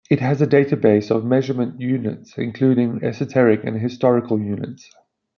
It has a database of measurement units, including esoteric and historical units.